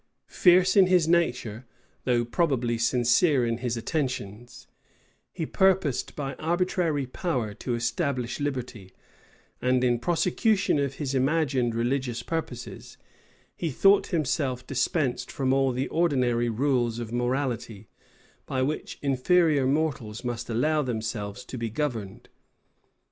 Fierce in his nature, though probably sincere in his intentions, he purposed by arbitrary power to establish liberty, and, in prosecution of his imagined religious purposes, he thought himself dispensed from all the ordinary rules of morality, by which inferior mortals must allow themselves to be governed.